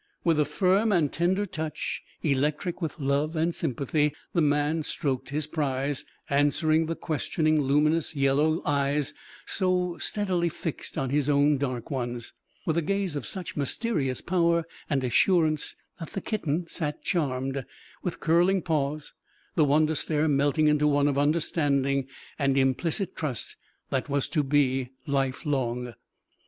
With a firm and tender touch, electric with love and sympathy, the man stroked his prize, answering the questioning, luminous yellow eyes so steadily fixed on his own dark ones, with a gaze of such mysterious power and assurance that the kitten sat charmed, with curling paws, the wonder stare melting into one of understanding and implicit trust, that was to be lifelong.